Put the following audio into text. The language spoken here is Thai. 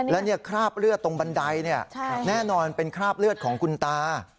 แล้วเนี่ยคราบเลือดตรงบันไดเนี่ยแน่นอนเป็นคราบเลือดของคุณตา